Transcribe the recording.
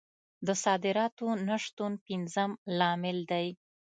د صادراتو نه شتون پنځم لامل دی.